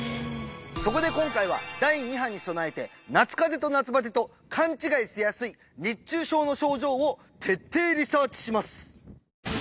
そこで今回は第二波に備えて夏風邪と夏バテと勘違いしやすい熱中症の症状を徹底リサーチします！